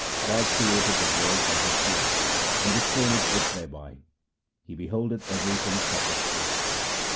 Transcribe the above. God created the world by His fiat, and restraineth it there by ; He beholdeth everything subject to it.